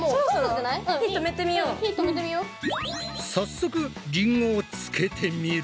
早速りんごをつけてみる。